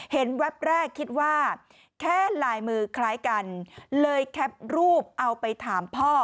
แวบแรกคิดว่าแค่ลายมือคล้ายกันเลยแคปรูปเอาไปถามพ่อ